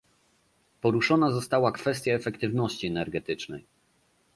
Poruszona została kwestia efektywności energetycznej